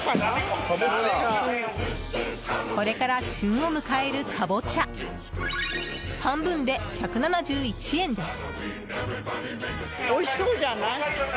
これから旬を迎えるカボチャ半分で１７１円です。